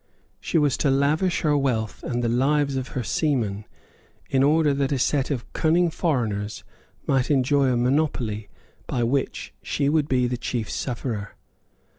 She was to lavish her wealth and the lives of her seamen, in order that a set of cunning foreigners might enjoy a monopoly by which she would be the chief sufferer.